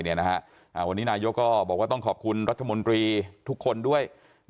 วันนี้นายกก็บอกว่าต้องขอบคุณรัฐมนตรีทุกคนด้วย